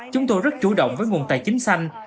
chúng tôi rất chủ động với nguồn tài chính xanh